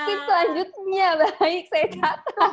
gosip selanjutnya baik saya kata